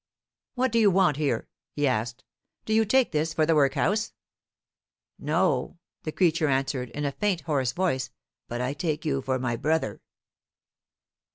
"What do you want here" he asked. "Do you take this for the workhouse?" "No," the creature answered, in a faint hoarse voice; "but I take you for my brother."